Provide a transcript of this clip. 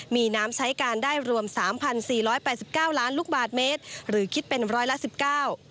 มีน้ำใช้การได้รวม๓๔๘๙ล้านลูกบาทเมตรหรือคิดเป็นร้อยละ๑๙